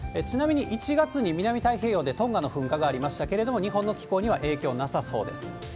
ちなみに１月に南太平洋でトンガの噴火がありましたけれども、日本の気候には影響なさそうです。